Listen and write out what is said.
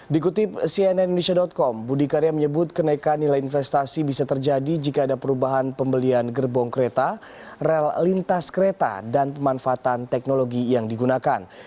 dikutip cnn indonesia com budi karya menyebut kenaikan nilai investasi bisa terjadi jika ada perubahan pembelian gerbong kereta rel lintas kereta dan pemanfaatan teknologi yang digunakan